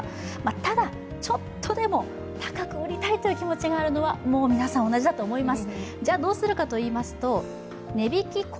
ただ、ちょっとでも高く売りたいという気持ちがあるのは皆さん同じだと思います。